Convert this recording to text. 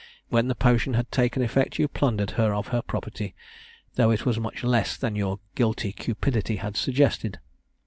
When the potion had taken effect, you plundered her of her property, though it was much less than your guilty cupidity had suggested.